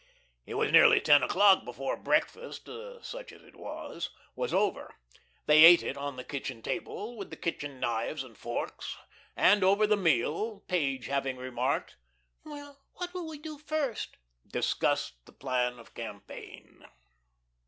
It was nearly ten o'clock before breakfast, such as it was, was over. They ate it on the kitchen table, with the kitchen knives and forks, and over the meal, Page having remarked: "Well, what will we do first?" discussed the plan of campaign.